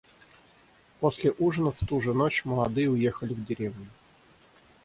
После ужина в ту же ночь молодые уехали в деревню.